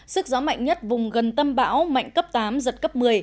sức gió mạnh nhất vùng gần tâm bão mạnh cấp tám giật cấp một mươi